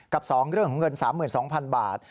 ๒เรื่องของเงิน๓๒๐๐๐บาท